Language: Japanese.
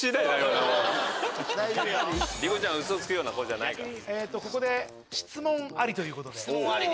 莉子ちゃんウソつくような子じゃないから。